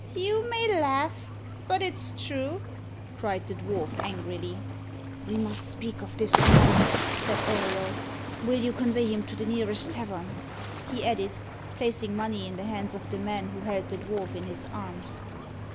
"You may laugh, but it's true!" cried the dwarf angrily. "We must speak of this anon," said Auriol. "Will you convey him to the nearest tavern?" he added, placing money in the hands of the man who held the dwarf in his arms.